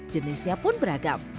jenisnya pun beragam